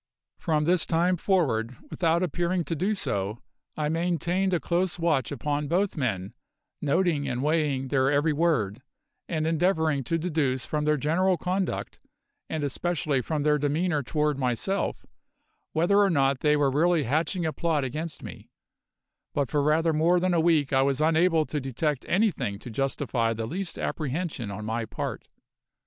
From this time forward, without appearing to do so, I maintained a close watch upon both men, noting and weighing their every word, and endeavouring to deduce from their general conduct, and especially from their demeanour toward myself, whether or not they were really hatching a plot against me; but for rather more than a week I was unable to detect anything to justify the least apprehension on my part.